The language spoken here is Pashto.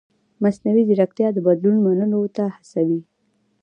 مصنوعي ځیرکتیا د بدلون منلو ته هڅوي.